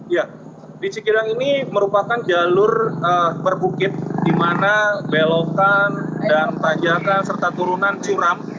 ya di cikidang ini merupakan jalur berbukit di mana belokan dan tanjakan serta turunan curam